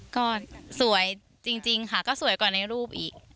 ก็สวยจริงค่ะก็สวยกว่าในรูปอีก